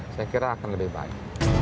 saya kira akan lebih baik